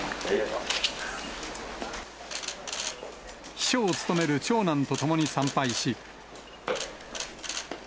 秘書を務める長男と共に参拝し。